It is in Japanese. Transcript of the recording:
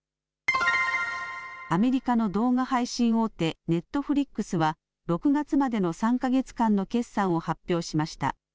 アメリカの動画配信大手、ネットフリックスは６月までの３か月間の決算を発表しました。